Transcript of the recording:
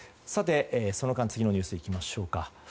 次のニュースにいきましょうか。